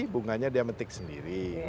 bunganya dia metik sendiri